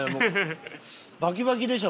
バキバキでしょ？